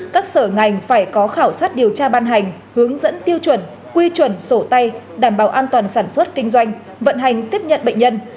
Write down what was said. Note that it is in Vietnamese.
các sở ngành phải có khảo sát điều tra ban hành hướng dẫn tiêu chuẩn quy chuẩn sổ tay đảm bảo an toàn sản xuất kinh doanh vận hành tiếp nhận bệnh nhân